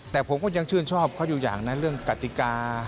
แต่ผมก็ยังชื่นชอบเขาอยู่อย่างนะเรื่องกติกา